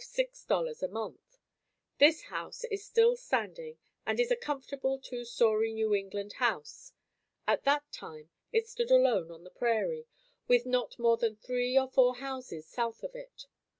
00 a month. This house is still standing and is a comfortable two story New England house. At that time it stood alone on the prairie with not more than three or four houses south of it.